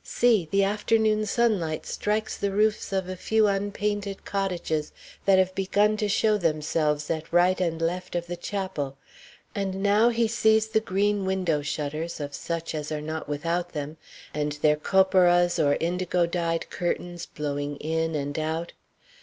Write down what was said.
See! the afternoon sunlight strikes the roofs of a few unpainted cottages that have begun to show themselves at right and left of the chapel. And now he sees the green window shutters of such as are not without them, and their copperas or indigo dyed curtains blowing in and out.